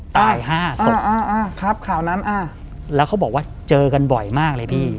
ตายห้าศพอ่าอ่าครับข่าวนั้นอ่าแล้วเขาบอกว่าเจอกันบ่อยมากเลยพี่